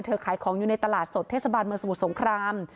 ขายของอยู่ในตลาดสดเทศบาลเมืองสมุทรสงคราม